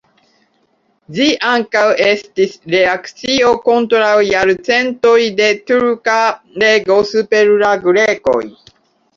Ĝi ankaŭ estis reakcio kontraŭ jarcentoj de turka rego super la grekoj.